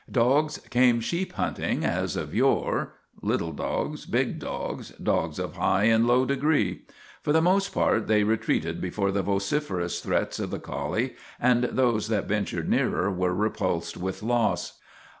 Dogs came sheep hunting as of yore little dogs, big dogs, dogs of high and low de gree. For the most part they retreated before the vociferous threats of the collie, and those that ven tured nearer were repulsed with loss.